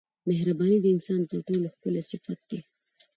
مهرباني د انسان تر ټولو ښکلی صفت دی.